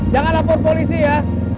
jangan lapor polisi ya